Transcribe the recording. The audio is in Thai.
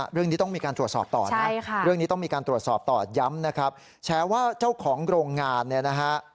เรื่องนี้ต้องมีการตรวจสอบต่อนะเรื่องนี้ต้องมีการตรวจสอบต่อย้ำนะครับแชร์ว่าเจ้าของโรงงานเนี่ยนะฮะ